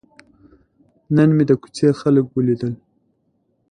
نن مې د کوڅې خلک ولیدل.